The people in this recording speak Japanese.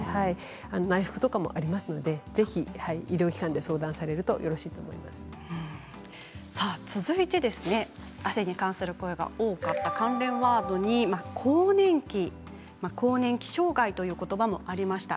内服などもありますのでぜひ医療機関で汗に関する声が多かった関連ワードに更年期、更年期障害ということばもあります。